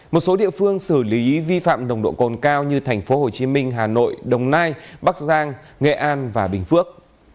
một số địa phương xử lý vi phạm nồng độ cồn cao như thành phố hồ chí minh hà nội đồng nai bắc giang nghệ an và bình phước